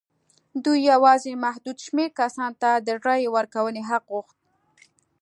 دوی یوازې محدود شمېر کسانو ته د رایې ورکونې حق غوښت.